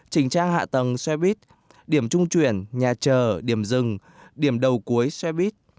chỉnh trang hạ tầng xe buýt điểm trung chuyển nhà chờ điểm rừng điểm đầu cuối xe buýt